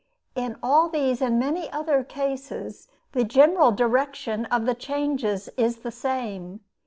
In all these and many other cases the general direction of the changes is the same.